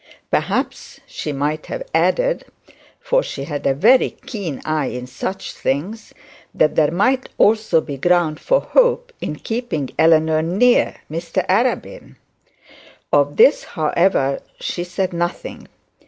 Perhaps she might have added, for she had a very keen eye in such things, that there might be some ground for hope in keeping Eleanor near Mr Arabin. Of this, however, she said nothing.